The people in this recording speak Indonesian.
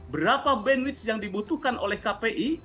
berapa bandwidth yang dibutuhkan oleh kpi